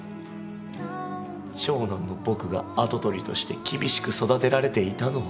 長男の僕が跡取りとして厳しく育てられていたのを。